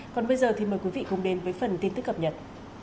còn bây giờ thì mời quý vị cùng đến với phần tin tức cập nhật